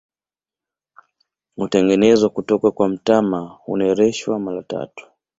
Hutengenezwa kutoka kwa mtama, hunereshwa mara tatu.